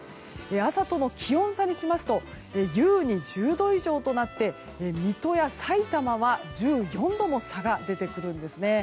朝との気温差にしますと優に１０度以上となって水戸やさいたまは１４度も差が出てくるんです。